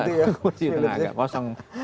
kursi tengah agak kosong